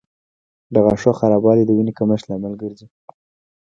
د غاښونو خرابوالی د وینې کمښت لامل ګرځي.